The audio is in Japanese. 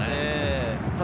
ただ。